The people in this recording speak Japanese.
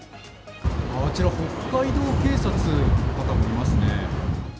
あちら北海道警察という方もいますね。